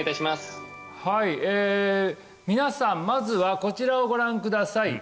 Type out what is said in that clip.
皆さんまずはこちらをご覧ください